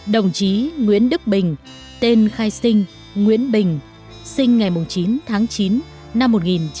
đồng chí nguyễn đức bình tên khai sinh nguyễn bình sinh ngày chín tháng chín năm một nghìn chín trăm bảy mươi